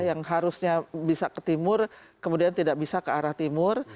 yang harusnya bisa ke timur kemudian tidak bisa ke arah timur